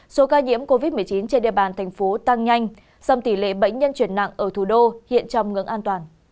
số ca nhiễm covid một mươi chín trên địa bàn thành phố tăng nhanh dòng tỷ lệ bệnh nhân chuyển nặng ở thủ đô hiện trong ngưỡng an toàn